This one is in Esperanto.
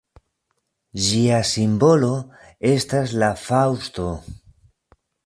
Ĝia simbolo estas la faŭsto.